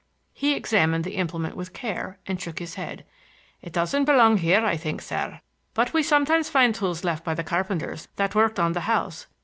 He examined the implement with care and shook his head. "It doesn't belong here, I think, sir. But we sometimes find tools left by the carpenters that worked on the house.